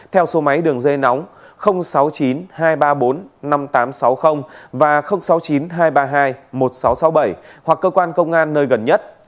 theo số máy đường dây nóng sáu mươi chín hai trăm ba mươi bốn năm nghìn tám trăm sáu mươi và sáu mươi chín hai trăm ba mươi hai một nghìn sáu trăm sáu mươi bảy hoặc cơ quan công an nơi gần nhất